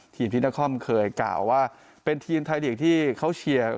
ทีมที่นครเคยกล่าวว่าเป็นทีมไทยลีกที่เขาเชียร์